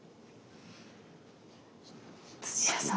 土屋さん